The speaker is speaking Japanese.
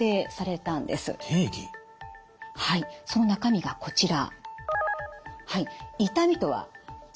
はいその中身がこちら。